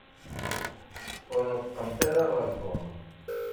Ur neṭṭqemt ara ɣer Tom.